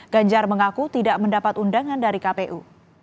ganjar mengaku tidak mendapat undangan dari kpu